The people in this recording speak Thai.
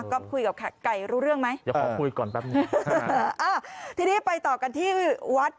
ก้อก็คุยกับไก่รู้เรื่องไหมเราก็พูดก่อนแปดนี้เออเลยทีนี้จะไปต่อกันที่วัด